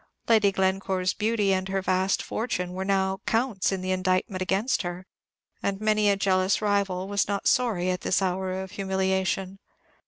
Lady Glencore's beauty and her vast fortune were now counts in the indictment against her, and many a jealous rival was not sorry at this hour of humiliation.